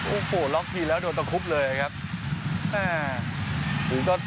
โอ้โหล็อคพีทแล้วโดนตกพลึกเลยอ่าครับ